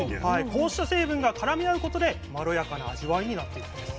こうした成分が絡み合うことでまろやかな味わいになっているんです。